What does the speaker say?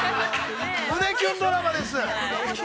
胸キュンドラマです。